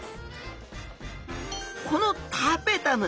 このタペタム